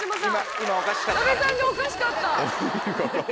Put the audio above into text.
今おかしかった。